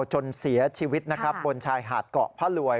จนเสียชีวิตนะครับบนชายหาดเกาะพระรวย